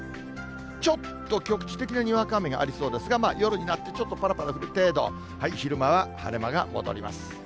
ちょっと局地的なにわか雨がありそうですが、夜になってちょっとぱらぱら降る程度、昼間は晴れ間が戻ります。